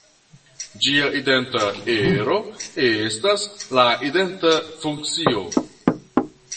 Ĝia identa ero estas la identa funkcio.